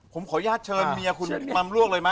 ผมขอญาติเชิญเมียคุณกุมารมรวบเลยไหม